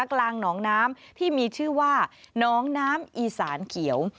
กลางหนองน้ำที่มีชื่อว่าน้องน้ำอีสานเขียว